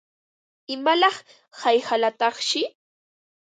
¿Imalaq hayqalataqshi?